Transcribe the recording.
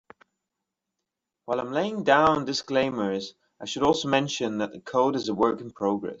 While I'm laying down disclaimers, I should also mention that the code is a work in progress.